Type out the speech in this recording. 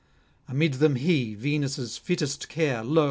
Amid them he, Venus' fittest care, lo!